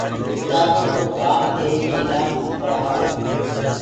اُستآدو ڪو ڪآم هي چيلآ ڪو پڙهآوو